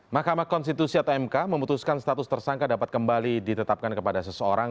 mahkamah konstitusi atau mk memutuskan status tersangka dapat kembali ditetapkan kepada seseorang